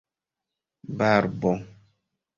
barbo